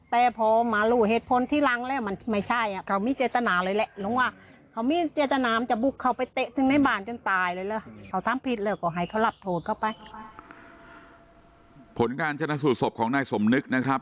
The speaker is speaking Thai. แต่พอหมาหลู่เหตุผลที่หลังแล้วมันไม่ใช่อ่ะเขามีเจตนาเลยแหละนึกว่า